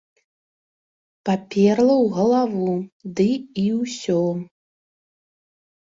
Паперла ў галаву, ды і ўсё.